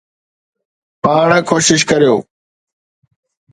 پاڻ ڪوشش ڪريو.